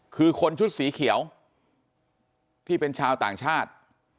คือคนชุดสีเขียวที่เป็นชาวต่างชาติ